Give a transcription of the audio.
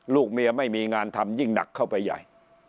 ลูกเมียไม่มีงานทำยิ่งหนักเข้าไปใหญ่